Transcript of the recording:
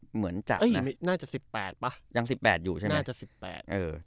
เหมือนจากนั้นน่าจะสิบแปดป่ะยังสิบแปดอยู่ใช่ไหมน่าจะสิบแปดเออ